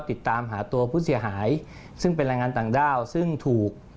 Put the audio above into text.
ติดตามหาตัวผู้เสียหายซึ่งเป็นแรงงานต่างด้าวซึ่งถูก